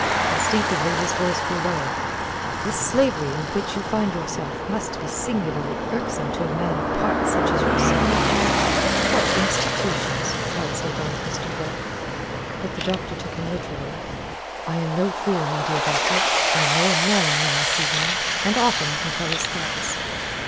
Instinctively his voice grew lower. "This slavery in which you find yourself must be singularly irksome to a man of parts such as yourself." "What intuitions!" cried sardonic Mr. Blood. But the doctor took him literally. "I am no fool, my dear doctor. I know a man when I see one, and often I can tell his thoughts."